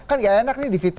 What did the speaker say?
kan nggak enak nih di fit